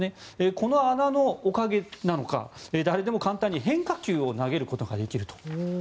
この穴のおかげなのか誰でも簡単に変化球を投げることができると。